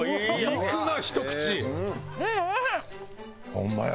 ホンマや。